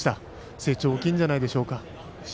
成長大きいんじゃないでしょうか。